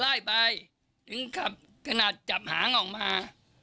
ไล่ไปถึงขับขนาดจับหางออกมา